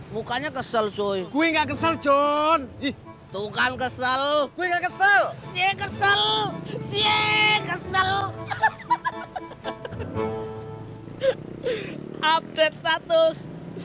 mukanya kesel cuy gue nggak kesel john tuh kan kesel gue nggak kesel kesel kesel update status